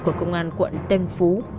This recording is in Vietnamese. của công an quận tân phú